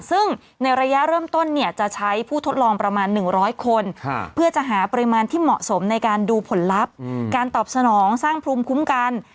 ซึ่งในระยะเริ่มต้นเนี่ยจะใช้ผู้ทดลองประมาณ๑๐๐คนเพื่อจะหาปริมาณที่เหมาะสมในการดูผลลัพธ์การตอบสนองสร้างภูมิคุ้มกัน